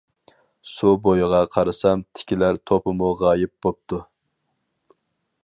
سۇ بويىغا قارىسام تېكىلەر توپىمۇ غايىب بوپتۇ.